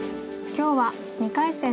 今日は２回戦